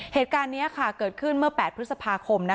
เหตุการณ์นี้เกิดขึ้นเมื่อ๘พฤษภาคม